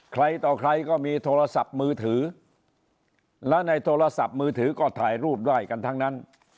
ใครต่อใครก็มีโทรศัพท์มือถือและในโทรศัพท์มือถือก็ถ่ายรูปได้กันทั้งนั้น